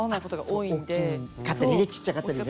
大きかったりねちっちゃかったりでね。